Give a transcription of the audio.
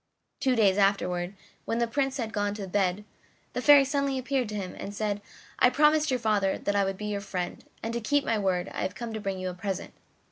Two days afterward, when the Prince had gone to bed, the Fairy suddenly appeared to him and said: "I promised your father that I would be your friend, and to keep my word I have come to bring you a present."